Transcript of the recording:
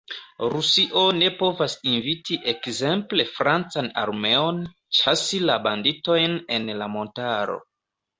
Rusio ne povas inviti ekzemple francan armeon ĉasi la banditojn en la montaro.